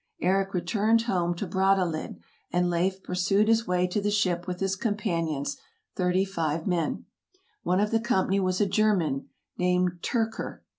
Eric returned home to Brat tahlid, and Leif pursued his way to the ship with his com panions, thirty five men. One of the company was a German, named Tyrker.